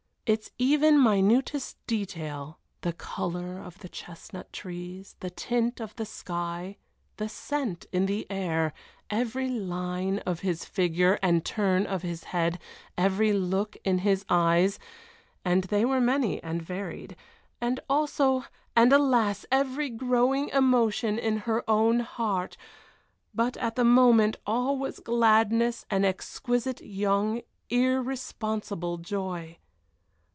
Its even minutest detail, the color of the chestnut trees, the tint of the sky, the scent in the air, every line of his figure and turn of his head, every look in his eyes and they were many and varied and also and alas! every growing emotion in her own heart. But at the moment all was gladness, and exquisite, young, irresponsible joy.